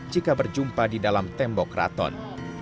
jika berjumpa di dalam tembok keraton